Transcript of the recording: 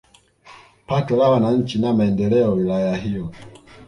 Pato la wananchi na maendeleo wilaya hiyo